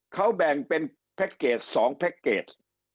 เขาแบ่งเป็น๒แพ็คเกจ